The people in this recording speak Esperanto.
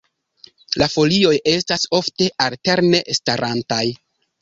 La folioj estas ofte alterne starantaj.